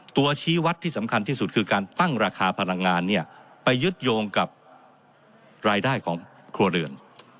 ชี้วัดที่สำคัญที่สุดคือการตั้งราคาพลังงานเนี่ยไปยึดโยงกับรายได้ของครัวเรือน